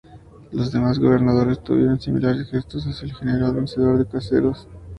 Los demás gobernadores tuvieron similares gestos hacia el general vencedor de Caseros.